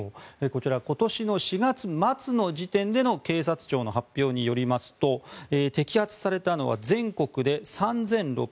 こちら、今年の４月末の時点での警察庁の発表によりますと摘発されたのは全国で３６５５人。